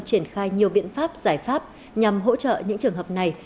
triển khai nhiều biện pháp giải pháp nhằm hỗ trợ những trường hợp này